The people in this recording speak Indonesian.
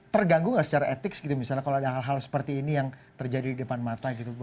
terganggu nggak secara etik gitu misalnya kalau ada hal hal seperti ini yang terjadi di depan mata gitu